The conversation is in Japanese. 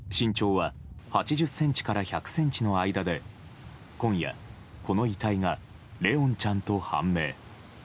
身長は８０ｃｍから１００ｃｍの間で今夜、この遺体が怜音ちゃんと判明。